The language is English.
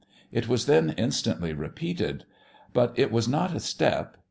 It was then instantly repeated. But it was not a step.